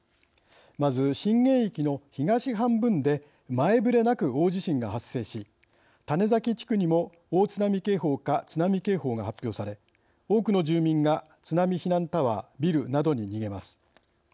まず震源域の東半分で前触れなく大地震が発生し種崎地区にも大津波警報か津波警報が発表され多くの住民が津波避難タワー・ビルなどに逃げます。